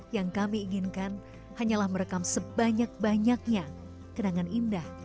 yang kami inginkan hanyalah merekam sebanyak banyaknya